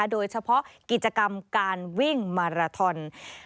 โดยเฉพาะกิจกรรมการวิ่งมาราทอน